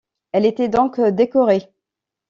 Elle était donc décorée.